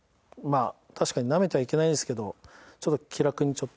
確かになめてはいけないんですけど気楽にちょっと。